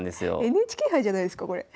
ＮＨＫ杯じゃないですかこれ。